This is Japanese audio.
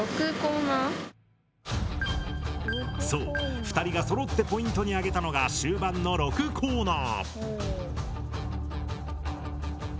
そう２人がそろってポイントにあげたのが終盤の６コーナー。